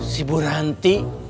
si bu ranti